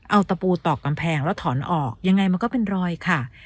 เอาตะปูตอกกำแพงแล้วถอนออกยังไงมันก็เป็นรอยค่ะ